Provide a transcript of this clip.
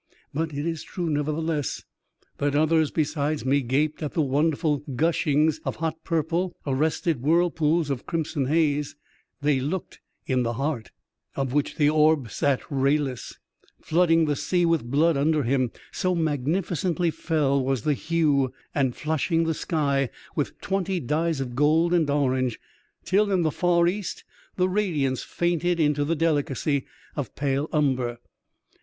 But it is true, nevertheless, that others besides me gaped at the wonderful gushings of hot purple — arrested whirlpools of crimson haze, they looked — in the heart EXTRAORDINARY ADVENTURE OF A CHIEF MATE, 23 of which the orb sat rayless, flooding the sea with blood under him, so magniflcently fell was the hue, and flushing the sky with twenty dyes of gold and orange, till, in the far east, the radiance fainted into the delicacy of pale amber.